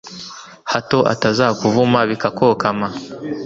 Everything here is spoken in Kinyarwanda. hato atazakuvuma bikakokama